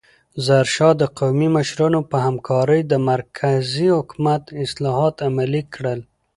ظاهرشاه د قومي مشرانو په همکارۍ د مرکزي حکومت اصلاحات عملي کړل.